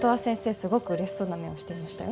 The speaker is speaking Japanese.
すごく嬉しそうな目をしていましたよ